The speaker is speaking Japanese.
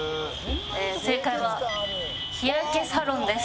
正解は日焼けサロンです。